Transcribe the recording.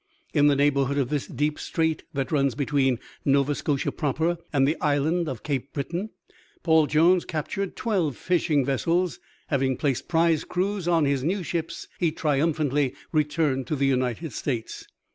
In the neighborhood of this deep strait that runs between Nova Scotia proper and the Island of Cape Breton, Paul Jones captured twelve fishing vessels. Having placed prize crews on his new ships he triumphantly returned to the United States.